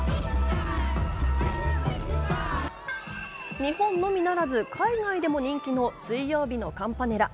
日本のみならず海外でも人気の水曜日のカンパネラ。